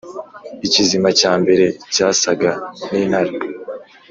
Ikizima cya mbere cyasaga n’intare,